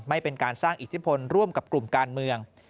ไม่เป็นการสร้างอิทธิพลร่วมกับกลุ่มการเมือง